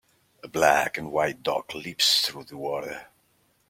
A black and white dog leaps through the water.